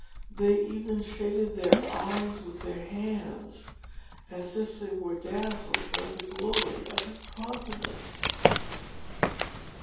They even shaded their eyes with their hands, as if they were dazzled by the glory of his countenance.